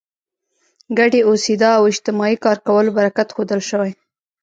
ګډې اوسېدا او اجتماعي کار کولو برکت ښودل شوی.